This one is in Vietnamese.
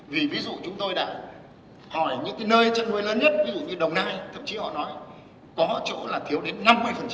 vì ví dụ chúng tôi đã hỏi những cái nơi chăn nuôi lớn nhất ví dụ như đồng nai thậm chí họ nói có chỗ là thiếu đến năm mươi